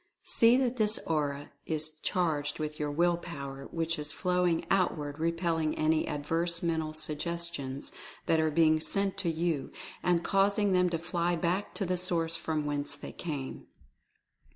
See that this Aura is charged with your Will Power, which is flowing outward repelling any adverse mental suggestions that are being sent to you, and causing them to fly back to the source from whence they came.